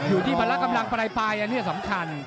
อยู่ที่พันละกำลังประดายไปอันนี้สำคัญ